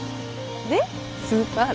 でスーパー。